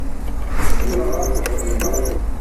Ssutreɣ axeddim-a.